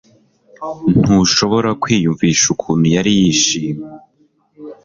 Ntushobora kwiyumvisha ukuntu yari yishimye